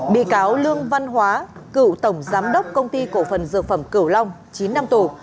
bị cáo lương văn hóa cựu tổng giám đốc công ty cổ phần dược phẩm cửu long chín năm tù